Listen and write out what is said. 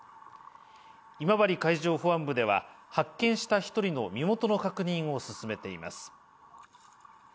今治海上保安部では、発見した１人の身元の確認を進めています。